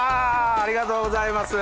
ありがとうございます。